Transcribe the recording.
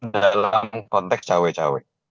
dalam konteks cewek cewek